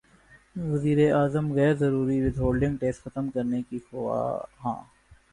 وزیراعظم غیر ضروری ود ہولڈنگ ٹیکس ختم کرنے کے خواہاں